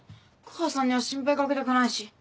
母さんには心配掛けたくないし。